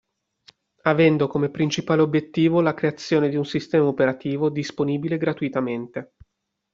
Avendo come principale obiettivo la creazione di un sistema operativo disponibile gratuitamente.